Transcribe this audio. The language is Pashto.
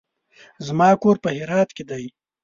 زما کور په هرات کې دی.